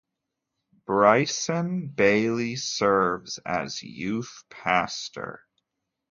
Bryson Bailey serves as Youth Pastor.